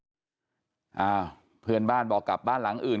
บู๊ดจาก็ดีอ่าเพื่อนบ้านบอกกับบ้านหลังอื่น